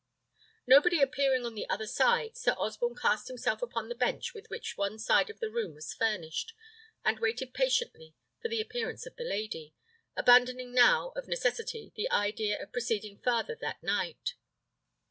Nobody appearing on the other side, Sir Osborne cast himself upon the bench with which one side of the room was furnished, and waited patiently for the appearance of the lady, abandoning now, of necessity, the idea of proceeding farther that night.